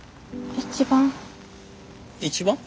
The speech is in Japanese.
一番？